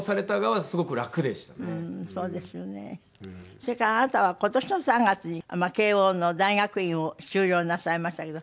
それからあなたは今年の３月に慶應の大学院を修了なさいましたけど。